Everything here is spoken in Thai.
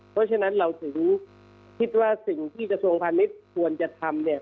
เพราะฉะนั้นเราถึงคิดว่าสิ่งที่สวงพันธุ์นี้ควรจะทำเนี่ย